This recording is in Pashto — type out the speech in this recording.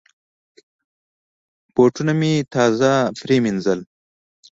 بوټان مې تازه وینځل.